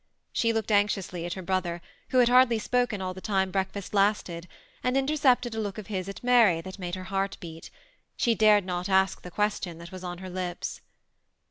She looked anxioasly at her brother, who had hardly spoken all the time breakfast lasted, and intercepted a look of his at Mary that made her heart beat She dared not ask the question that was on her lips.